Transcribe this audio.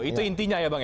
itu intinya ya bang ya